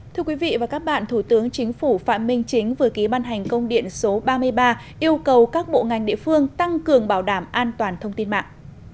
thưa quý vị và các bạn thủ tướng chính phủ phạm minh chính vừa ký ban hành công điện số ba mươi ba yêu cầu các bộ ngành địa phương tăng cường bảo đảm an toàn thông tin mạng